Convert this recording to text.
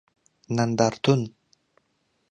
نندارتون